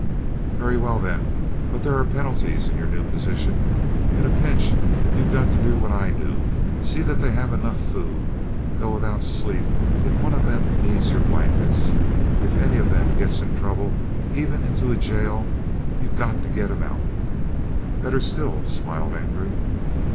"Very well, then. But there are penalties in your new position. In a pinch you've got to do what I do see that they have food enough go without sleep if one of them needs your blankets if any of 'em gets in trouble, even into a jail, you've got to get him out." "Better still," smiled Andrew.